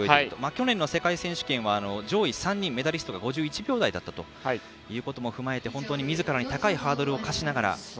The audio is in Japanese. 去年の世界選手権は上位３人、メダリストが５１秒台だったということも踏まえて本当にみずからに高いハードルを課しながら。